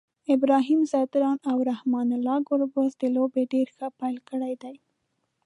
ابراهیم ځدراڼ او رحمان الله ګربز د لوبي ډير ښه پیل کړی دی